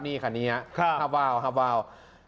นี่ค่ะนี่ครับฮาว